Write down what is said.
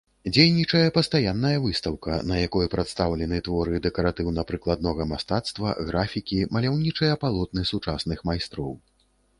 Дзейнічае пастаянная выстаўка, на якой прадстаўлены творы дэкаратыўна-прыкладнога мастацтва, графікі, маляўнічыя палотны сучасных майстроў.